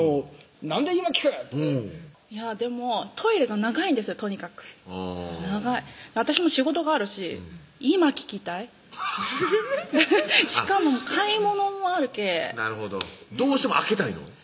「なんで今聞く？」ってでもトイレが長いんですよとにかく長い私も仕事があるし今聞きたいしかも買い物もあるけぇなるほどどうしても開けたいの？